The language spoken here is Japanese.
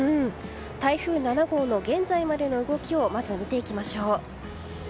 台風７号の現在までの動きを見ていきましょう。